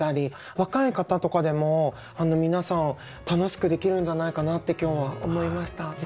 若い方とかでも皆さん楽しくできるんじゃないかなって今日は思いました。